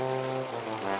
tempe orek sama sambel lagi